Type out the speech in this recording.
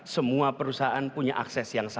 semua perusahaan punya akses yang sama